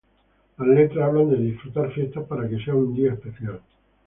Las letras hablan de disfrutar fiestas para que sea un día especial.